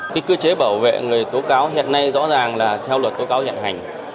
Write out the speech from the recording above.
cái cơ chế bảo vệ người tố cáo hiện nay rõ ràng là theo luật tố cáo hiện hành